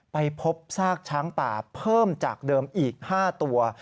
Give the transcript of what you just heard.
ไปพบซากช้างป่าเพิ่มจากเดิมอีก๕ตัว